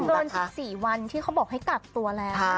เกิน๑๔วันที่เขาบอกให้กักตัวแล้ว